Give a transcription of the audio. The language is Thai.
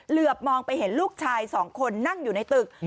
เหลือบมองไปเห็นลูกชายสองคนนั่งอยู่ในตึก